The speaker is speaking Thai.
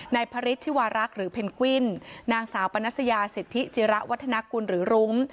พระฤทธิวารักษ์หรือเพนกวินนางสาวปนัสยาสิทธิจิระวัฒนากุลหรือรุ้ง